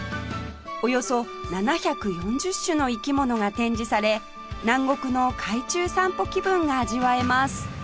およそ７４０種の生き物が展示され南国の海中散歩気分が味わえます